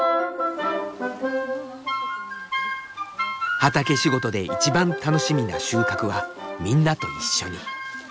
畑仕事で一番楽しみな収穫はみんなと一緒に。